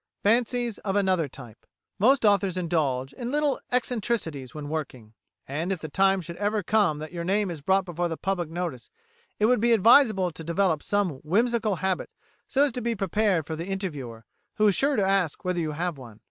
Fancies of another Type Most authors indulge in little eccentricities when working, and, if the time should ever come that your name is brought before the public notice, it would be advisable to develop some whimsical habit so as to be prepared for the interviewer, who is sure to ask whether you have one.